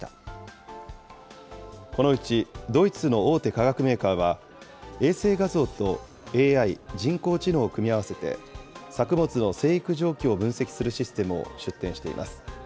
このうち、ドイツの大手化学メーカーは、衛星画像とＡＩ・人工知能を組み合わせて、作物の生育状況を分析するシステムを出展しています。